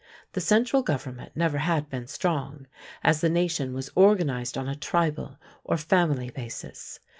The central government never had been strong, as the nation was organized on a tribal or family basis.